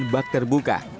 dan bak terbuka